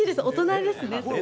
大人ですね。